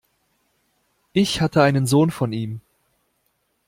Ich hatte einen Sohn von ihm.